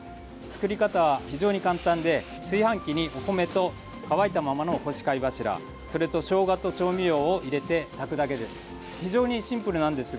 作り方は非常に簡単で炊飯器にお米と乾いたままの干し貝柱それとしょうがと調味料を入れて炊くだけです。